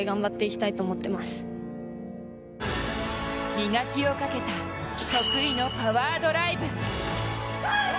磨きをかけた得意のパワードライブ。